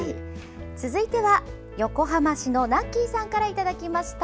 続いては横浜市のＮａｋｋｙさんからいただきました。